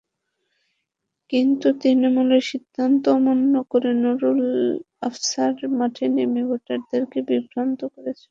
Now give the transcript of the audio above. কিন্তু তৃণমূলের সিদ্ধান্ত অমান্য করে নুরুল আবছার মাঠে নেমে ভোটারদের বিভ্রান্ত করছেন।